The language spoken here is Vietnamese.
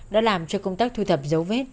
đã làm cho công tác thu thập dấu vết